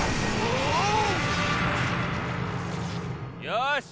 よし！